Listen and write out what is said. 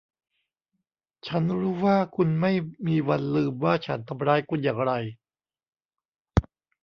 ฉันรู้ว่าคุณไม่มีวันลืมว่าฉันทำร้ายคุณอย่างไร